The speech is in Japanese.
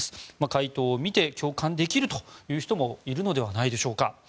回答を見て共感できるという人もいるのではないでしょうか。